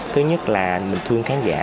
thứ nhất là mình thương khán giả